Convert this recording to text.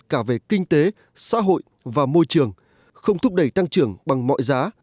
cả về kinh tế xã hội và môi trường không thúc đẩy tăng trưởng bằng mọi giá